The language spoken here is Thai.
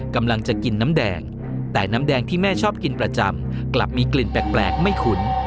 กำลังจะกินน้ำแดงแต่น้ำแดงที่แม่ชอบกินประจำกลับมีกลิ่นแปลกไม่คุ้น